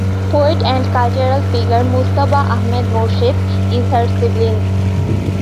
Poet and cultural figure Mujtaba Ahmed Murshed is her sibling.